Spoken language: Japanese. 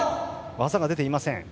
技が出ていません。